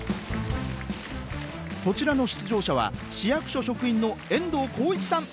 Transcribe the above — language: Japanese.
こちらの出場者は市役所職員の遠藤浩一さん